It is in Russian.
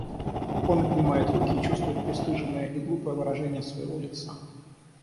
Он отнимает руки и чувствует пристыженное и глупое выражение своего лица.